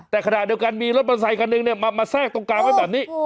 แต่ขณะเดียวกันมีรถมอเตอร์ไซคันหนึ่งมาแทรกตรงกลางไว้แบบนี้